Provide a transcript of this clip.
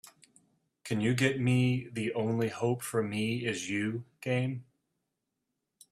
Can you get me The Only Hope for Me Is You game?